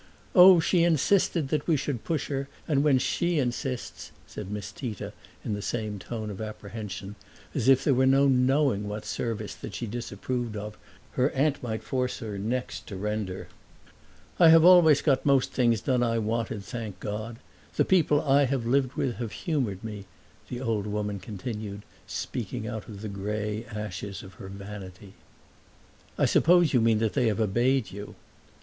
"Oh, she insisted that we should push her; and when she insists!" said Miss Tita in the same tone of apprehension; as if there were no knowing what service that she disapproved of her aunt might force her next to render. "I have always got most things done I wanted, thank God! The people I have lived with have humored me," the old woman continued, speaking out of the gray ashes of her vanity. "I suppose you mean that they have obeyed you."